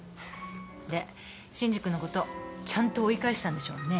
で伸治君のことちゃんと追い返したんでしょうね？